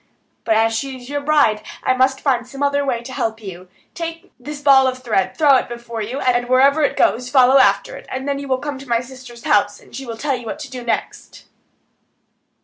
But as she is your bride, I must find some other way to help you. Take this ball of thread, throw it before you, and wherever it goes follow after it; you will then come to my sister's house, and she will tell you what to do next."